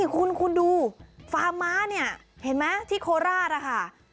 คุณดูฟาร์มม้าเนี่ยเห็นไหมที่โคราชนะคะ